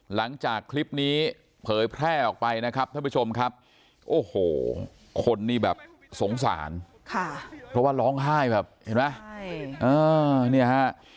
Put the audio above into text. หลังจากคลิปนี้เผยแพร่ออกไปนะครับท่านผู้ชมครับโอ้โหคนนี่แบบสงสารค่ะเพราะว่าร้องไห้แบบเห็นไหมเนี่ยฮะ